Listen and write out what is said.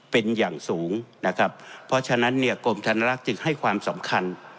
เป็นอย่างสูงนะครับเพราะฉะนั้นเนี่ยกรมธนรักษ์จึงให้ความสำคัญ